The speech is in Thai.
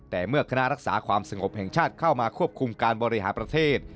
แต่เมื่อคณะรักษาความสงบแห่งชาติเข้ามาควบคุมการบริหารประเทศ